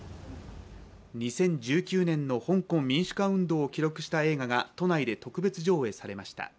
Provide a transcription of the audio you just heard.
２０１９年の香港民主化運動を記録した映画が都内で特別上映されました。